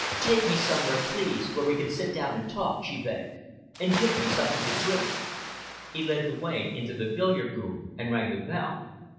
"Take me somewhere, please, where we can sit down and talk," she begged, "and give me something to drink." He led the way into the billiard room and rang the bell.